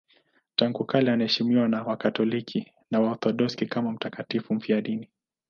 Tangu kale anaheshimiwa na Wakatoliki na Waorthodoksi kama mtakatifu mfiadini.